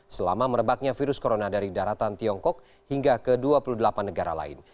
selama merebaknya virus corona dari daratan tiongkok hingga ke dua puluh delapan negara lain